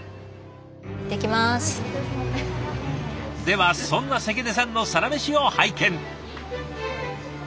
ではそんな関根さんのサラメシを拝見。